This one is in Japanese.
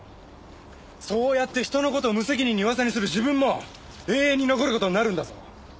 そうやって人の事を無責任に噂にする自分も永遠に残る事になるんだぞ。